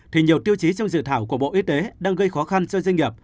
thì nhiều tiêu chí trong dự thảo của bộ y tế đang gây khó khăn cho doanh nghiệp